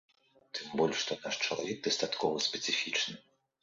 Тым больш, што наш чалавек дастаткова спецыфічны.